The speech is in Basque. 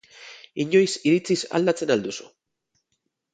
Inoiz iritziz aldatzen al duzu?